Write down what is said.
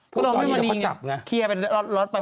พวกตอนนี้ก็พอจับไง